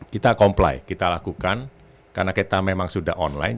kita comply kita lakukan karena kita memang sudah online